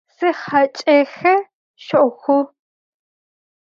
Si haç'exe şsoxhu!